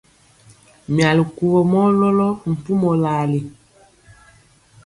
Myali kuvɔ mɔ lɔlɔ mpumɔ lali.